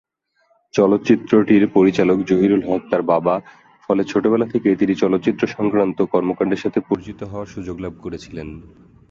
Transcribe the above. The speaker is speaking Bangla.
চলচ্চিত্রটির পরিচালক জহিরুল হক তারা বাবা, ফলে ছোটবেলা থেকেই তিনি চলচ্চিত্র সংক্রান্ত কর্মকান্ডের সাথে পরিচিত হওয়ার সুযোগ লাভ করেছিলেন।